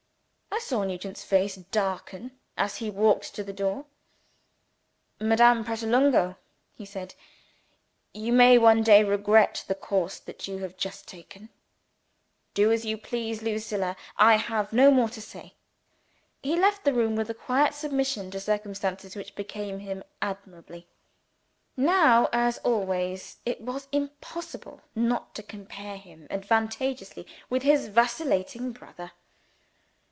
I saw Nugent's face darken, as he walked to the door. "Madame Pratolungo," he said, "you may, one day, regret the course that you have just taken. Do as you please, Lucilla I have no more to say." He left the room, with a quiet submission to circumstances which became him admirably. Now, as always, it was impossible not to compare him advantageously with his vacillating brother.